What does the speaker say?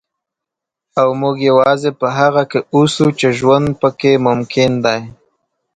او موږ یوازې په هغه کې اوسو چې ژوند پکې ممکن دی.